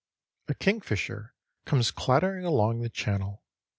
A kingfisher comes clattering along the channel.